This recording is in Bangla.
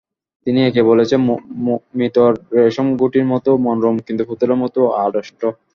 তিনি একে বলেছেন মৃত রেশমগুটির মতো, মনোরম কিন্তু পুতুলের মতো আড়ষ্ট।